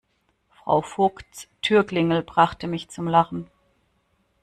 Frau Vogts Türklingel brachte mich zum Lachen.